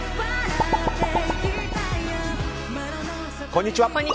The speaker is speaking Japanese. こんにちは。